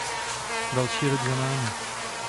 Další rok za námi.